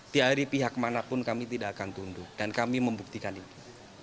di hari pihak manapun kami tidak akan tunduk dan kami membuktikan itu